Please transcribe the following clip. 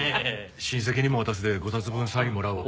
親戚にも渡すで５冊分サインもらうわ。